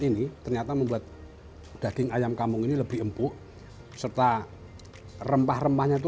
ini ternyata membuat daging ayam kampung ini lebih empuk serta rempah rempahnya itu